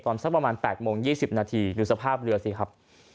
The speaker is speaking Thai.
สักประมาณ๘โมง๒๐นาทีดูสภาพเรือสิครับ